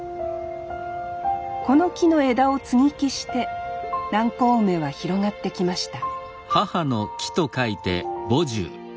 この木の枝を接ぎ木して南高梅は広がってきました